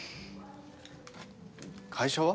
会社は？